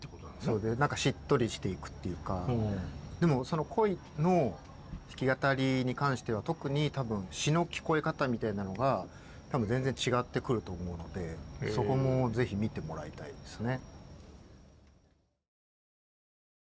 何かしっとりしていくっていうかその「恋」の弾き語りに関しては特に詞の聞こえ方みたいなのが多分全然違ってくると思うのでそこもぜひ見てもらいたいですね。